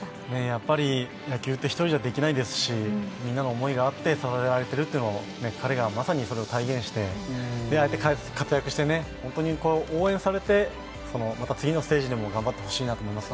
やっぱり野球って１人じゃないですし、みんなの思いがあって支えられているというのを彼がまさに体現をしてああやって活躍して、本当に応援されてまた次のステージでも頑張ってほしいなと思います。